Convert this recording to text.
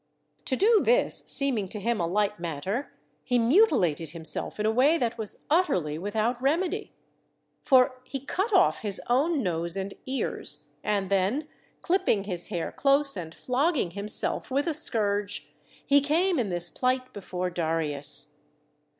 To do this seeming to him a light matter, he mutilated himself in a way that was utterly without remedy. For he cut off his own nose and ears, and then, clipping his hair close and flogging himself with a scourge, he came in this plight before Darius.